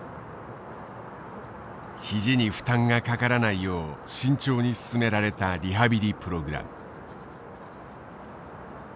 肘に負担がかからないよう慎重に進められたリハビリプログラム。